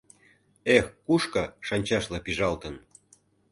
Эх, кушко, шанчашла пыжалтын